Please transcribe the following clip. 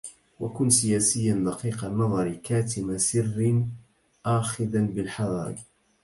وكن سياسيا دقيق النظرِ كاتمَ سِرٍّ آخذا بالحذَرِ